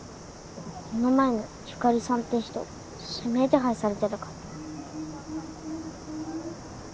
この前の由香里さんって人指名手配されてたから。